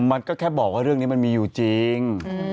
มันก็แค่บอกว่าเรื่องนี้มันมีอยู่จริง